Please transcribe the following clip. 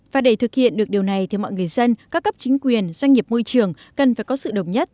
và để thực hiện được điều này thì mọi người dân các cấp chính quyền doanh nghiệp môi trường cần phải có sự đồng nhất